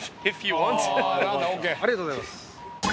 ありがとうございます。